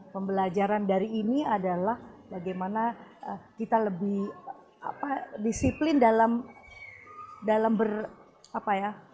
pembelajaran dari ini adalah bagaimana kita lebih disiplin dalam berapa ya